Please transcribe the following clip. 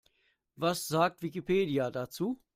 Was sagt Wikipedia dazu?